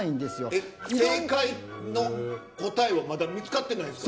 えっ正解の答えはまだ見つかってないんですか？